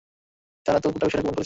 তারা তো গোটা বিষয়টা গোপন করছে।